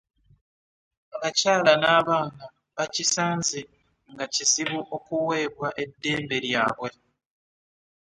Abakyala n’abaana bakisanze nga kizibu okuweebwa eddembe lyabwe.